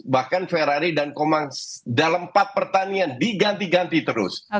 bahkan ferrari dan komang dalam empat pertandingan diganti ganti terus